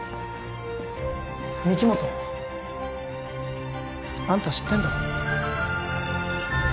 御木本あんた知ってんだろ？